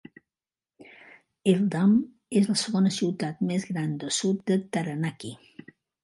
Eltham és la segona ciutat més gran de sud de Taranaki.